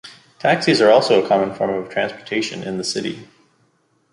Taxis are also a common form of transportation in the city.